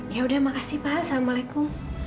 yaudah makasih pak assalamualaikum